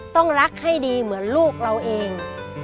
ต้องรักให้ดีเหมือนลูกเราเอง